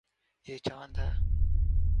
یے چاند ہے